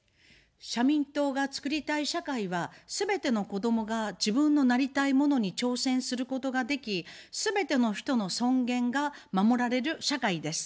社民党が作りたい社会は、すべての子どもが自分のなりたいものに挑戦することができ、すべての人の尊厳が守られる社会です。